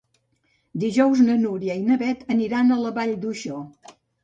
Dijous na Núria i na Beth aniran a la Vall d'Uixó.